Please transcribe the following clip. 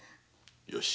よし。